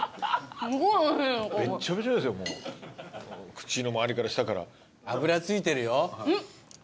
口の周りから下から。